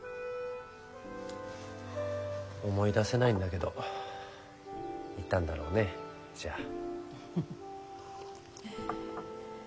思い出せないんだけど言ったんだろうねじゃあ。